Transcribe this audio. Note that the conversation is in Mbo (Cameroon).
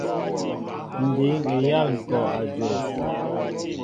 Ǹ dǐŋ eyâl ŋ̀kɔ' a jow.